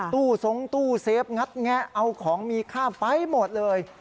ตู้ทรงตู้เซฟงัดแงะเอาของมีค่าไปหมดเลย